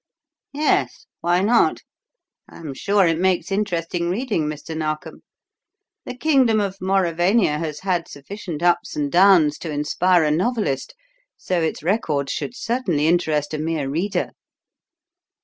"Yes; why not? I am sure it makes interesting reading, Mr. Narkom. The kingdom of Mauravania has had sufficient ups and downs to inspire a novelist, so its records should certainly interest a mere reader.